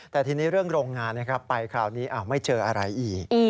แต่ทีนี้เรื่องโรงงานนะครับไปคราวนี้ไม่เจออะไรอีก